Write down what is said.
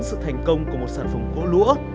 sự thành công của một sản phẩm gỗ lũa